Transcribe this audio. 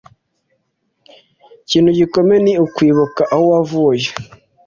ikintu gikomeye ni ukwibuka aho wavuye